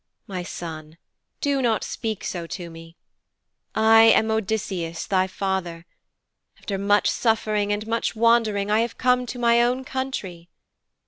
'My son, do not speak so to me. I am Odysseus, thy father. After much suffering and much wandering I have come to my own country.'